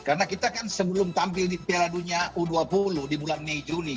karena kita kan sebelum tampil di piala dunia u dua puluh di bulan mei juni